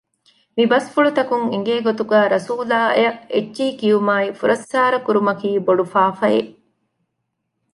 މި ބަސްފުޅުތަކުން އެނގޭ ގޮތުގައި ރަސޫލާއަށް އެއްޗެހި ކިޔުމާއި ފުރައްސާރަ ކުރުމަކީ ބޮޑު ފާފައެއް